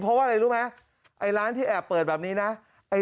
เพราะว่าร้านที่แอบเปิดแบบนี้นะ